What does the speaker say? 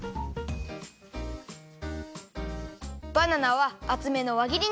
バナナはあつめのわぎりに。